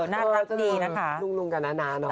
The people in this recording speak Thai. น่ารักดีนะคะ